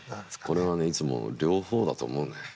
これはねいつも両方だと思うんだよね。